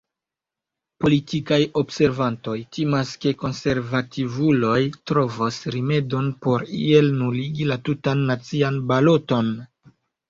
Politikaj observantoj timas, ke konservativuloj trovos rimedon por iel nuligi la tutan nacian baloton.